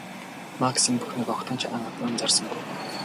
Макс энэ бүхнийг огтхон ч анхаарсангүй.